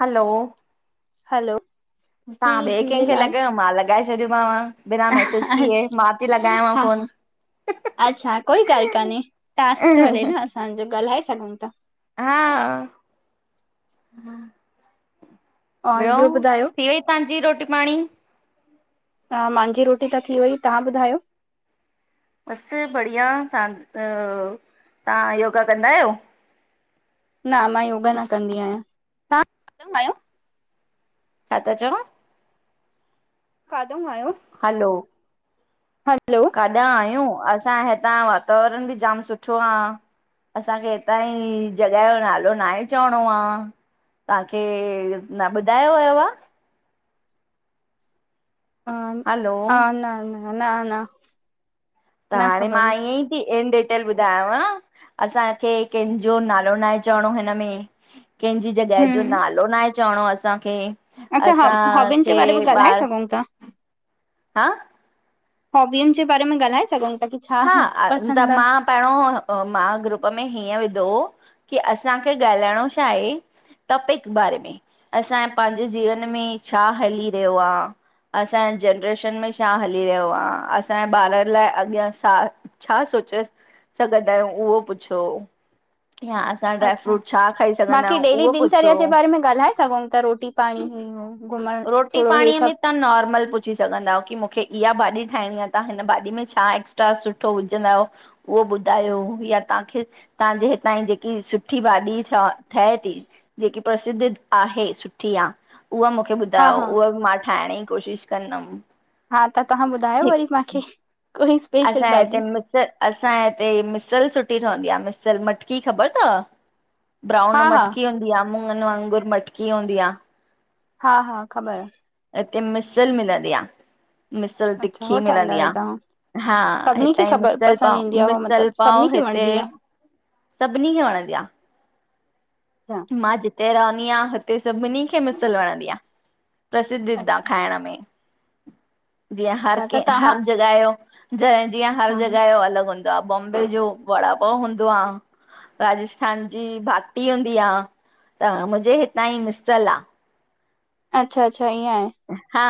हलो। Hello. जी तव्हां ॿिए कंहिंखे झूलेलाल, लॻायो मां लॻाए छॾियोमांव बिना मैसेज हा किए अच्छा, मां थी लॻायांव हा फोन हा। अच्छा, कोई ॻाल्हि कान्हे, टांस्क तो हले न असांजो, ॻाल्हाए सघूं ता। हा, अऊं। और ॿियो, ॿुधायो थी वेई तांजी रोटी पाणी? ह मांजी रोटी त थी वई, तहां ॿुधायो? बसि बढ़िया तां, ओ तां योगा कंदा आहियो? न, मां योगा न कंदी आहियां, तां न कंदा आयो। छा ता चवनि। काॾों आयो? हलो। हलो। काॾां आयूं, असांए हितां जो वातावरण बि जाम सुठो आ। असांखे हितां ई जगहि जो नालो नाहे चवणों आ। तांखे न ॿुधायो वयो आ। अम्, हलो न न न न। त न हाणे ख़बर मां हुई ईअं ई ती एंड [unintelligible] ॿुधायांव असांखे केंजो नालो न आहे चवणो हिनमें। कंहिंजी जॻहि जो हम्म नालो नाहे चवणो असांखे, अच्छा ह हॉबियुनि जे असांखे बारे में ॻाल्हाए ॿार सघूं था हं। हॉबियुनि जे बारे में ॻाल्हाए सघूऊं ता कुछु हा आ, त मां। पहिरों अं, मां ग्रुप में हीअं विधो हो कि असांखे ॻाल्हाइणो छा आहे। टॉपिक बारे में, असांजे पंहिंजे जीवन में छा हली रहियो आ। असांजे जनरेशन में छा हली रहियो आ, असांजे ॿारनि लाइ अॻियां छा सोचे सघंदा आयूं, उहो पुछो, यां असां ड्राई अच्छा फ्रूट छा खाई सघंदा बाक़ी आहियूं, डेली उहो दिनचर्या पुछो। जे बारे में ॻाल्हाए सघऊं ता, रोटी पाणी हूं हूं। रोटी पाणीअ में तां नॉर्मल पु पुछी सघंदा आयो, कि मुखे इहा भाॼी ठाहिणी आ, तहां हिन भाॼी में छा एक्स्ट्रा सुठो विझंदा आहियो। उहो ॿुधायो, या तांखे। तांजे हितां जी जेकी सुठी भाॼी ठ ठहे ती। जेकी प्रसिद्ध आहे सुठी आ, उहा मुखे ॿु त हा हा उहा बि मां ठाहिंण जी कोशिशि कंदमि हा त तहां ॿुधायो हिक वरी माखे। असांजे हिते मिसल, असांजे हिते मिसल सुठी ठहंदी आ, मिसल मटकी ख़बर तव? ब्राउन हा हा मटकी हुंदी आ, मुूङनि वांगुर मटकी हुंदी आ। हा हा ख़बर आ। हिते मिसल मिलंदी आ, मिसल अच्छा तिखी हो ठाहींदा मिलंदी आ। आहियो तव्हां हा सभिनी खे हितां यी ख़बर मिस्यल पसंदि पाव, ईंदी आहे हो मिस्यल मतिलबु सभिनी पाव खे हिते वणंदी सभिनी खे वणंदी आ। आहे मां जिते रहंदी आहियां, हुते सभिनी खे मिसल वणंदी आ। प्रसिद्धिद्ध आ अच्छा खाइंण में। जीअं हर अच्छा त कं तव्हां हर जॻह जो, जीअं हर हा जॻह जो अलॻि हूंदो आ, बॉम्बे जो वड़ा पाव हूंदो आ, राजस्थान जी भाटी हुंद दी आ त मुंहिंजे हितां जी मिस्यल आ। अच्छा -अच्छा, ईअं आहे। हा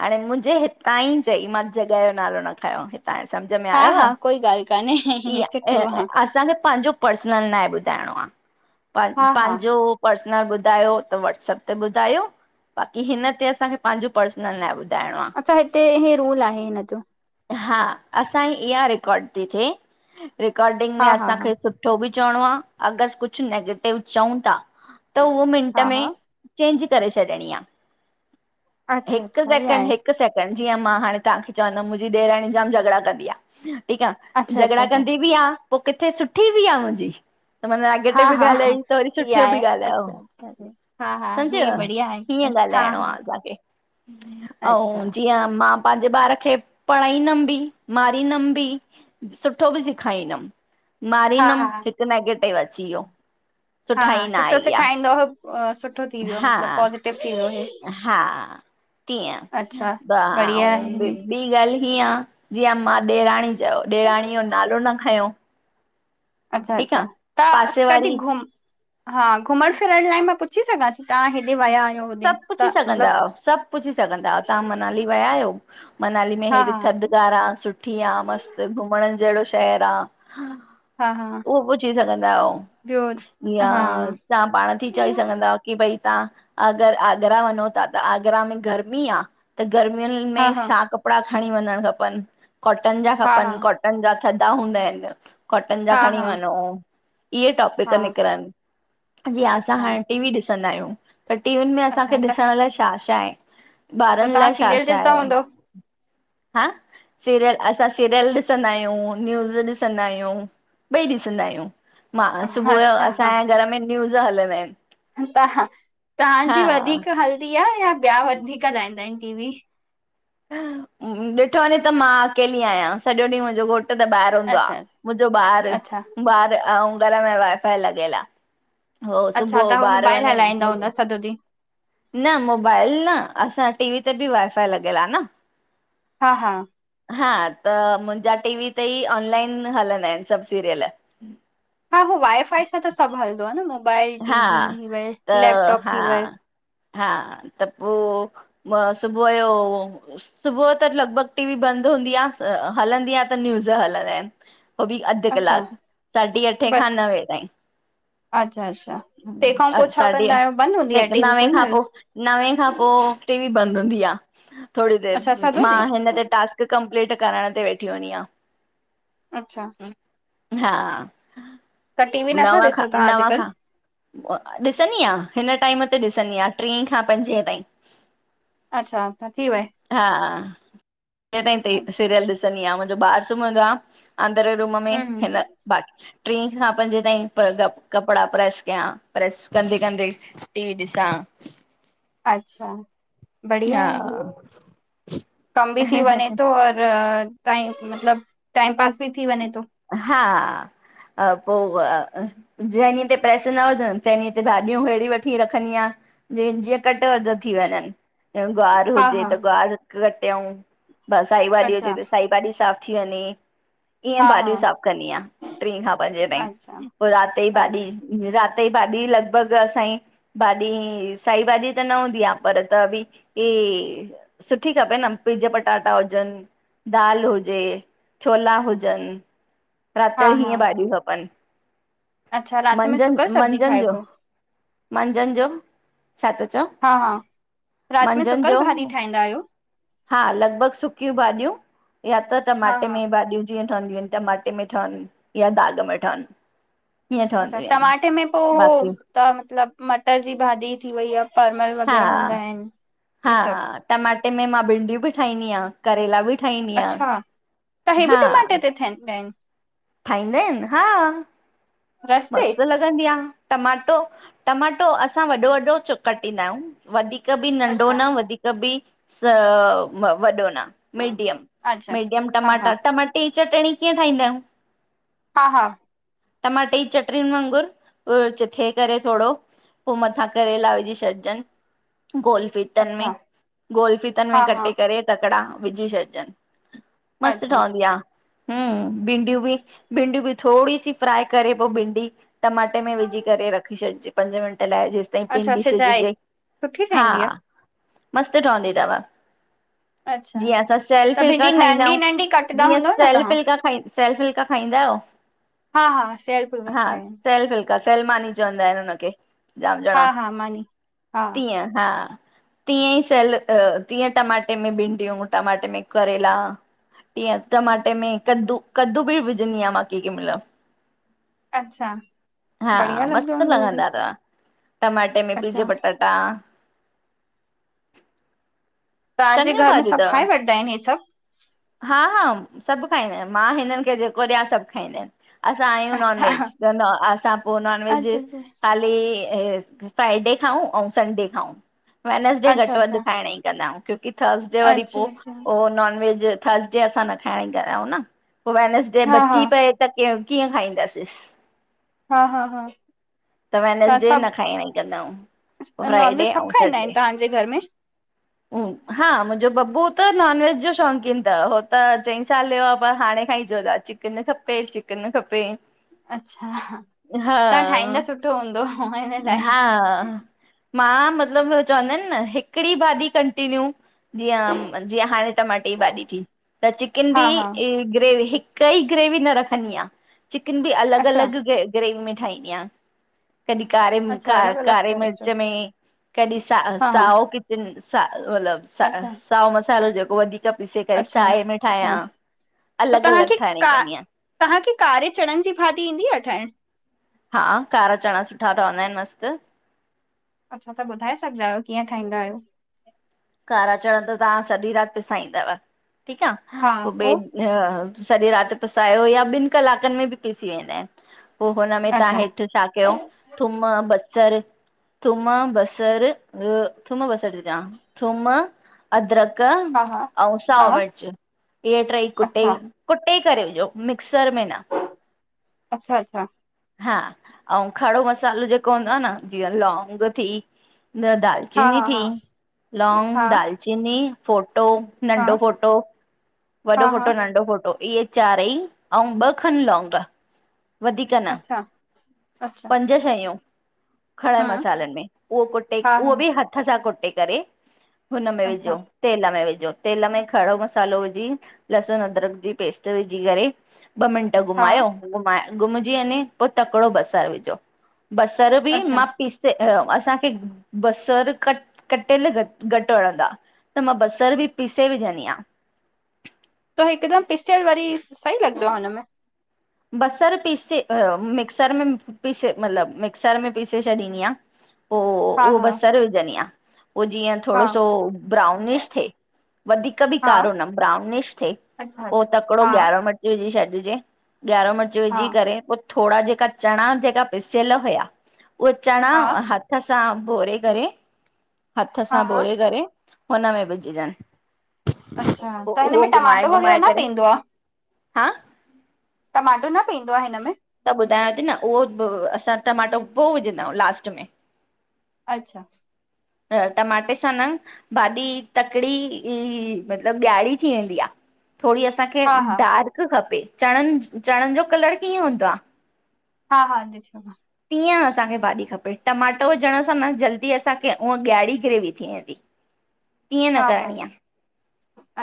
हाणे मुंहिंजे हितां यी चई, मां जॻहि जो नालो न खयों। हितां यो सम्झ में हा आयव, हा कोई ॻाल्हि कान्हे ईय इ सुठो आहे असांखे पांजो पर्सनल ना हे ॿुधाइणो आ, प हा हा पांजो पर्सनल ॿुधायो त व्हॉट्सअप ते ॿुधायो, बाक़ी हिन ते असांखे पांजो पर्सनल नाहे ॿुधाइणों आ। अच्छा हिते हे रूल आहे हिन जो हा असांजी इह्या रिकॉर्ड ती थिए, रिकॉर्डिंग में हा हा हा असांखे सुठ ठो बि चवणो आ, अगरि कुछु नैगेटिव चऊं ता, त उहो मिंट हा में हा चेंज करे छॾिणी आ। अच्छा हिकु अच्छा ईअं सेकिंड, आहे हिकु सेकिड जीअं मां हाणे तव्हांखे चवंदमि मुंहिंजी ॾेराणी जाम झगड़ा कंदी आ ठीकु आ, अच्छा अच्छा झगड़ा अच्छा कंदी बि आ पो किथे सुठी बि आ मुंजी त माना हा नैगेटिव बि हा हा ॻाल्हायांई त वरी इहा सुठो आहे बि ॻाल्हायो अच्छा अच्छा हा हा हे समुझव बढ़िया आहे हीअं पर हा ॻाल्हाइणो आ हा असांखे, अच्छा अंउं जीअं मां पांजे ॿार खे पढ़ाईंदमि बि मारींदमि बि सुठो बि सेखारींदमि, हा हा मारींदमि हिकु नैगेटिव अची वियो हा -हा सुठाई न सुठो आई सेखाईंदव, सुठो थी आहे वियो हा मतिलबु पॉज़िटिव थी वियो हे। हा तीअं, अच्छा ॿ बढ़िया अंउं ॿी आहे ॿीं ॻाल्हि हीअं आ, जीअं मां ॾेराणी जो ॾेराणीअ जो नालो न खयों अच्छा ठीकु -अच्छा, आ त पासे कॾी वारी घुम हा घुमंण फिरण लाए मां पुछी सघां थी तहां हेॾे वया आहियो? होॾे सभु पुछी त सघंदा मतिलबु आहियो, सभु पुछी सघंदा आहियो, तहां मनाली वया आहियो मनाली में हा हेड़ी हा थध बज़ार आ सुठी आ मस्तु घुमंण जहिड़ो शहर आ। हा हा उहो पुछी सघंदा आहियो, ॿियो हा या हा तहां पांण थी चई सघंदायो की भई तहां अगरि, आगरा वंञों ता त आगरा में गर्मी आ? त गर्मियुनि हा में छा कपिड़ा खणी वंञंणु खपनि, कॉटन जा हा हा खपनि काट् कॉटन जा थधा हूंदा हिनि, कॉटन जा हा खणी हा वंञों इह्ये टॉप पिक हा निकरन जी असां अच्छा हाणें टीवी ॾिसंदा आहियूं त टीवियुन में असांखे अच्छा त त ॾिसंण लाए छा- छा हे, ॿारनि तव्हां लाए छा सीरियल -छा ॾिसंदा आहे। हूंदव हं सीरियल, असां सीरियल ॾिसंदा आहियूं, न्यूज़ ॾिसंदा आहियूं, ॿई ॾिसंदा आहियूं। मां सुबुअ जो अच्छा असांजे घर में न्यूज़ हलंदा हिनि। त तहांजी वधीक हलदी आह या ॿिया वधीक लॻहींदा आहिन टीवी। ॾिठो वञे त मां अकेली आहियां सॼो ॾींहुं मुंहिंजो घोटु त ॿाहिर हूंदो आह अच्छा मुंहिंजो ॿार अच्छा ॿार ऐं घर में वाईफाई लॻियल आह हो सुबह ॿार वञे सॾो ॾीह न मोबाइल न असां टी वी ते बी वाई फाए लॻियल आह न। हा हा। हां, त मुंहिंजा टीवी ते ई ऑनलाइन हलंदा आहिन सभ सीरियल। हा हो वाई फाई सां त सभ हलदो आह न मोबाइल टी हा वी थी वई त लैपटॉप थी वयो। हा हा, त पोइ म सुबुह जो सुबुह त लॻभॻ टीवी बंद हूंदी आह हलंदी आह त न्यूज़ हलंदा आहिन उ बी अध अच्छा कलाक साढी अठे खां नवे ताईं। अछा अछा तंहिंखां पोइ छा साढी कंदा आहियो बंद हूंदी आहे टी वी नवे कोई खां न पो नवे खां पोइ टी वी बंद हूंदी आह थोडी देर अच्छा सॼो मां ॾींहुं हिन ते टास्क कंप्लीट कराइण ते वेठी हूंदी आह अच्छा हां त टीवी नथा नव ॾिसो खां तव्हां नव अॼुकल्ह खां ॾिसंदी आह हिन टाइम ते ॾिसंदी आह ट्री खां पंजे ताईं। अच्छा त थी वये हा सीरियल अच्छा ॾिस--सीरियल ॾिसंदी आह मुंहिंजो ॿारु सुम्हंदो आह अंदरे रूम में हम्म हिन हम्म बाक़ी ट्री खां पंजे ताईं कपड़ा प्रेस कयां प्रेस कंदे कंदे टीवी ॾिसां। अछा बढिया आहे, कम बी थी वञे थो और टाइम मतलब टाइम पास बी थी वञे थो। हां पोइ अ जंहिं ॾींहं ते प्रेस न हुजन तंह ॾींहं ते भाॼियूं अहिड़ी वठी रंखदी आहियां। जीअ जीअं कट वध थी वञन गुआर हा हुजे हा त गुआर कटियऊ बस साई भाॼी हुजे अच्छा त साई भाॼी साफ़ थी वञे। ईअं हा हा भाॼियूं साफ़ कंदी आहियां ट्री खां पंजे ताईं अच्छा पोइ रात जी अ भाॼी रात जी भाॼी लॻभॻ असांई भाॼी साई भाॼी त न हूंदी आह पर त बी इ सुठी खपे न पीज पटाटा हुजन दाल हुजे छोला हुजन रात हा जो हा हीअं भाॼियूं खपन अच्छा राति में मंझन सुकल सब्जी मंझंन जो खाइबो मंझंन जो छा त चओ हा हा। रात में सुकल भाॼी ठाहींदा आहियो? हां लॻभॻ सुकियूं भाॼियूं या त हा टमाटे हा में भाॼियूं जीअं ठहनदियूं आहिन टमाटे में ठहन या दाग में ठहन अछा टमाटे में पोइ उह त मतलब मटर जी भाॼी थी वई यां परमल वग़ैरह हूंदा आहिन हा हा टमाटे में मां भिंडियूं बी ठाहींदी आहियां करेला बी ठाहींदी आहियां हां थियन में खाईंदा आहिन हा रस ते? मस्त लॻंदी आहे टमाटो टमाटो असां वॾो वॾो चु कटींदा आहियूं। वधीक बि नंढो अच्छा न वधीक बि स वॾो न। मीडियम अच्छा मीडियम हा टमाटा हा टमाटे जी चटणी कीअं ठाहींदा आहियूं। हा हा टमाटे ई चटणीन वांगुरु चिथे करे थोड़ो पो मथां करेला विझी छॾजन। गोल फीतन में अच्छा गोल फीतन में हा हा कटे करे तकड़ा विझी छॾजन। मस्त अच्छा ठवंदी आ हम्म भिंडियूं बि भिंडियूं बि थोड़ी सी फ्राए करे। पो भिंडी टमाटे में विझी करे रखी छॾजे पंज मिंट लाए जेस ते अच्छा पिंडी सिझाए सजीजे सुठी हा ठहींदी आ? मस्त ठवंदी तव। अच्छा जीअं असां सयल त फुल्का भिंडी खाईंदा नंढी आहियूं नंढी कटंदा जीअं हूंदव न सयल तव्हां फुल्का खाई। सेल फुल्का खाईंदा आहियो? हा हा सेल। हा सेल फुल्का सेलमानी चवंदा आहिन हुनखे जाम। हा हा मानी। हा तीयं हा तीअं ई सेल तीअं टमाटे में भिंडियूं टमाटे में करेला। तीअं टमाटे में कदू कद्दू बि विझंदी आहियां मां कें कें मेल। अच्छा हा बढ़िया लॻंदो मस्त हूंदो हो बि लॻंदा तव टमाटे में पीज अच्छा पटाटा। तव्हांजे चङियूं घर में भाॼियूं सब तव। खाए वठंदा आहिन ए सब। हा हा सब खाईंदा आहिन मां हिनन खे जेको ॾियां सब खाईंदा आहिन। असां आयूं नॉन अच्छा वेज त असां पो नॉन वेज अच्छा खाली की अ फ्राइडे खाऊं अउं संडे खाऊं। वैनसडे घट अच्छा वध अच्छा खाइण ई कंदा आहियूं क्योकी थर्सडे वरी अच्छा पो अच्छा ओ नॉनवेज थर्सडे असां न खाइण ई घा आहियूं न पो वैनसडे हा हा बची पए। त के कीअं खाईंदा सेस। हा हा हा त वेनसडे सब न खाइण ई कंदा आहियूं। पो फ्राइडे नॉनवेज सब ऐं खाईंदा आहिन संडे तव्हांजे घर में? हा मुंहिंजो बबु त नॉन वेज जो शौंक़ीन तव हो त चईं साल यो आ पर हाणे खां ई जो चिकन खपे चिकन खपे। अच्छा हा तव्हां ठाहींदा सुठो हूंदो हिन लाइ हा मां मतलब चवंदा आहिन न हिकड़ी भाॼी कंटिन्यू जियं हाड़े टमाटे यि भाॼी थी त चिकन हा भी हा ग्रेवी हिक ई ग्रेवी न रखंदी आहियां चिकन बि अलग अच्छा अलग ग्रेवी में ठाहींदी आहियां। कॾहिं अच्छा कारे अलॻि अलॻि कारे तरह मिर्च जो में कॾहिं साओ हा हा साओ किचन। साओ मतलब अच्छा साओ मसालो जेको वधीक। पीसे करे अच्छा साए में अच्छा ठाहियां त अलग तव्हांखे अलग ठाहिण का कंदी आहियां। तव्हांखे कारे चणन जी भाॼी ईंदी आहे ठाएड़? हा कारा चणा सुठा ठवन्दा दा आहिन मस्त। अच्छा ता ॿुधाए सघंदा आहियो किअं ठाईंदा आहियो? कारा चदा चणा तव्हां सॼी रात पिसाइंदव ठीक आ पो ॿे त सॼी रात पिसायो या ॿिन कलाकन में बि पीसी वेंदा आहिन की। पो हुनमें तव्हां अच्छा हेठ छा कयो। थूम बसरु, थूम बसरु, ॿियो थूम बसर ती चां। थूम, अदरक हा हा अऊं हा साओ मिर्च इहे ट्रई कुटे अच्छा कुटे करे इहो मिक्सर में न। अच्छा-अच्छा। हा, अऊं खड़ो मसालो जेको हूंदो आ न जीअं लौंग थी न, दाल हा चीनी हा थी, हा लौंग, हा दालचीनी, फोटो, हा नंढो फोटो। वॾो हा हा फोटो, नंढो फोटो इहे चारई अऊं ॿ खनि लौंग। वधीकर न अच्छा अच्छा पंज शयूं। खड़नि हा मसालनि में उहो कुटे, हा उहो हा बि हथ सां कुटे करे हुन में अच्छा विझो तेल में विझो, तेल में खड़ो मसालो वि जी लहसुन, अदरक जी पेस्ट विझी करे ॿ मिनट हा घुमायो घुमाए, घुमजी वञे पोइ तकिड़ो बसरु विझो बसर बि अच्छा मां पीसे असांखे बसर कट-कटियल घटि-घटि वणंदा। त मां बसर बि पीसे विझंदी आ। त हिकदमि पिसियल वरी सही लॻंदो आ हुनमें? बसर पीसे मिक्सर में पीसे मतिलबु मिक्सर में पिसे छॾींदी आ। पोइ हा उहो हा बसरु विझंदी आहियां पोइ जीअं हा थोडो सो ब्राउनिश थे। वधीकर बि हा कारो न ब्राउनिश थे अच्छा पोइ अच्छा तकिड़ो हा ॻाडो मति विझी छॾिजे ॻाढो मिर्च हा विझी करे पोइ थोड़ा जेका चणा जेका पिसियल हुया उहे चणा हा हथ हथ सां ॿोरे करे, हथ हा सां हा ॿोरे करे हुन में विझजनि। अच्छा, पो त हिन उहो में घुमाए टमाटो वग़ैरह घुमाए न करे पएंदो आ? हा। टमाटो न पइंदो आ हिन में? त ॿुधायांव थी न उहो असां टमाटो पोइ विझंदा आहियूं लास्ट में। अच्छा। त टमाटे सां न भाॼी तकड़ी ई मतिलबु ॻियारी थी वेंदी आ। थोड़ी असांखे हा हा डार्क खपे, चणनि-चणनि जो कलर कीअं हूंदो आ? हा-हा, ॾिसंदम। तीअं असांखे भाॼी खपे टमाटो विझण सां न जल्दी असांखे उअं ॻाढ़ी ग्रेवी थी वेंदी। ईअं न हा हा करणी आ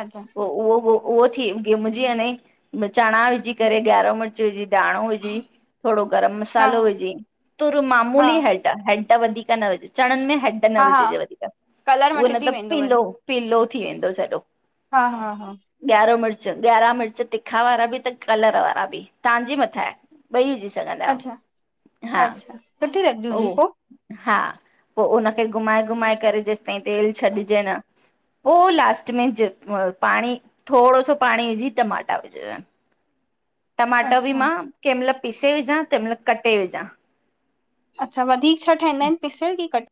अच्छा पोइ उहो हो उहो थी भुञिजी वञे चणा विझी करे ॻारो मिर्च विझी धाणो विझी, थोड़ो गरम हा मसालो विझी, तुर हा मामूली हैड हेड वधीकर न विझ चणनि में हेड न हा हा विझजे वधीकर कलर उहो न मटिजी त वेंदो पीलो-पीलो थी वेंदो सॼो। हा-हा-हा। ॻाऱो मिर्च, ॻारा मिर्च तिखा वारा बि त कलर वारा बि तव्हांजे मथां आ। ॿई विझी सघंदा अच्छा आहियो हा, अच्छा सुठी लॻंदी हूंदी उहो। पो हा, पोइ हुनखे घुमाए-घुमाए करे जेसि ताईं तेल छॾिजे न। पोइ लास्ट में पाणी थोडो सो पाणी विझी टमाटा विझजे। टमाटा बि मां अच्छा कंहिं महिल पीसे विझा कंहिं महिल कटे विझां। अच्छा, वधीकर छाह ठहींदा आहिनि पिसियल की कट